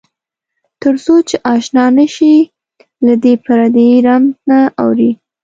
تر څو چې آشنا نه شې له دې پردې رمز نه اورې.